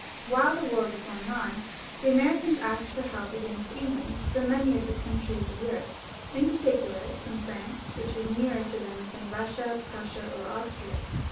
While the war was going on the Americans asked for help against England from many of the countries of Europe, in particular from France, which was nearer to them than Eussia, Prussia, or Austria.